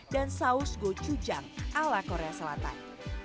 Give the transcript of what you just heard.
dan saus gochujang ala korea selatan